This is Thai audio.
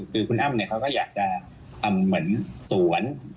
คือคุณอ้ำเขาก็อยากจะทำเหมือนสวน